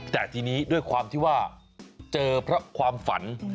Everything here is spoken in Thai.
แต่ทีนี้ด้วยความที่ว่าเจอเพราะความฝัน